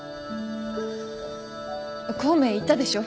孔明言ったでしょ？